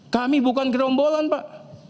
kami bukan gerombolan pak